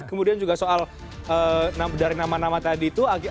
kemudian juga soal dari nama nama tadi itu